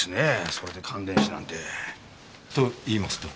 それで感電死なんて。と言いますと？